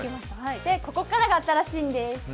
ここからが新しいんです。